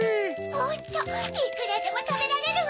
ホントいくらでもたべられるわ！